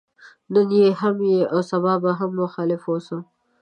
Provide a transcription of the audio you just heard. نن يې هم يم او سبا به هم مخالف واوسم.